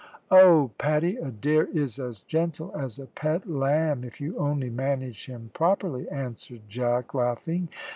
"Oh, Paddy Adair is as gentle as a pet lamb if you only manage him properly," answered Jack, laughing.